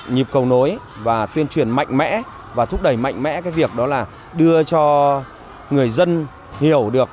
nhịp cầu nối và tuyên truyền mạnh mẽ và thúc đẩy mạnh mẽ cái việc đó là đưa cho người dân hiểu được